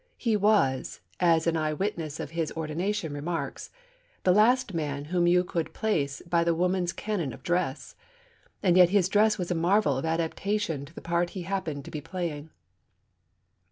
'He was,' as an eye witness of his ordination remarks, 'the last man whom you could place by the woman's canon of dress. And yet his dress was a marvel of adaptation to the part he happened to be playing.